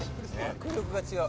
迫力が違う。